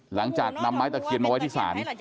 หลังจากนำไม้ตะเคียนมาไว้ที่ศาล